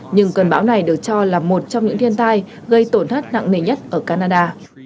nhưng cơn bão này được cho là một trong những thiên tai gây tổn thất nặng nề nhất ở canada